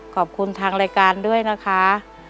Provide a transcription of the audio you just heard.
ขอบคุณทางรายการด้วยนะคะ